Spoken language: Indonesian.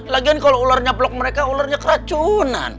lagian kalau ularnya plok mereka ularnya keracunan